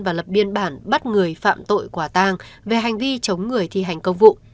và lập biên bản bắt người phạm tội quả tang về hành vi chống người thi hành công vụ